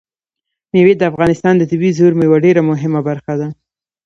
مېوې د افغانستان د طبیعي زیرمو یوه ډېره مهمه برخه ده.